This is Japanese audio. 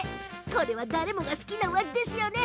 これは誰もが好きなお味ですよね。